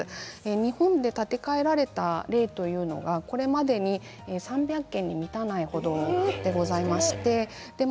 日本で建て替えられた例というのはこれまでに３００件に満たない程でございます。